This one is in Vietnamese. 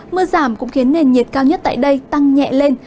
mưa giảm cũng khiến nền nhiệt cao nhất tại đây tăng nhẹ lên